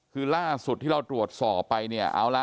คือล่าสุดที่เราตรวจสอบไปเนี่ยเอาละ